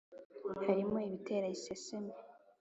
harimo ibitera iseseme,